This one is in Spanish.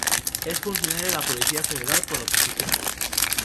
Es funcionario de la Policía Federal por oposición.